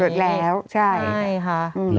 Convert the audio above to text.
เกิดแล้วใช่ค่ะ